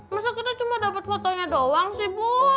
maksudnya kita cuma dapat fotonya doang sih bu